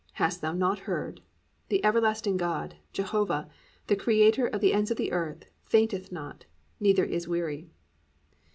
Hast thou not heard? The everlasting God, Jehovah, the creator of the ends of the earth, fainteth not, neither is weary."